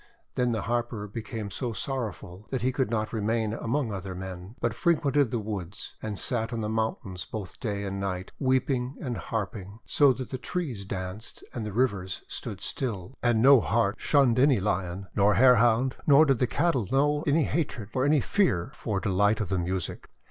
Then the Harper became so sorrowful that he could not remain among other men, but frequented the woods, and sat on the mountains both night and day, weep ing and harping so that the trees danced and the rivers stood still, and no Hart shunned any Lion, nor Hare Hound, nor did the cattle know any hatred or any fear for delight of the music.